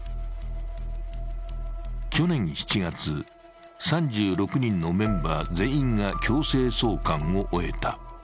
去年７月、３６人のメンバー全員が強制送還を終えた。